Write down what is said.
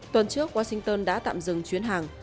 tuần trước washington đã tạm dừng chuyến hàng